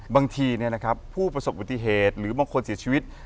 บางทีเนี่ยนะครับผู้ประสบวิทย์เหตุหรือบางคนเสียชีวิต